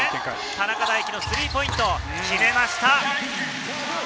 田中大貴のスリーポイント、決めました！